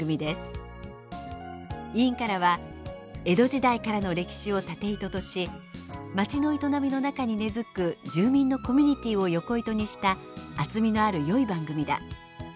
委員からは「江戸時代からの歴史を縦糸とし町の営みの中に根づく住民のコミュニティーを横糸にした厚みのあるよい番組だ」